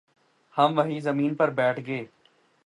ہم وہیں زمین پر بیٹھ گ